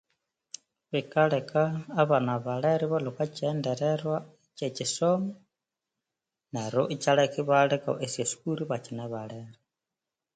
Bikaleka abana balere ibalhwa okwa kyighendererwa kyekyisomo neryo ikyaleka ibaleka esyasukuru ibakyine balere.